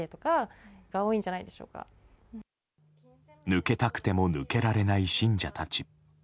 抜けたくても抜けられない信者たち。